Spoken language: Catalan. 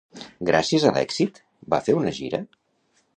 Gràcies a l'èxit, va fer una gira?